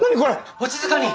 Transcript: お静かに！